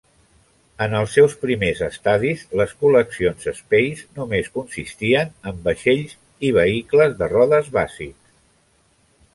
En els seus primers estadis, les col·leccions Space només consistien en vaixells i vehicles de rodes bàsics.